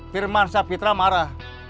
firman safitra marah